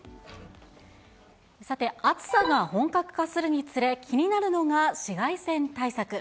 さて、暑さが本格化するにつれ、気になるのが紫外線対策。